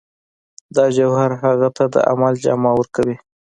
دا جوهر هغه ته د عمل جامه ورکوي